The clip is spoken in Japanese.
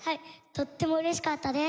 とっても嬉しかったです。